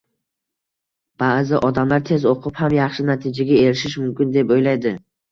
Baʼzi odamlar tez oʻqib ham yaxshi natijaga erishish mumkin deb oʻylaydi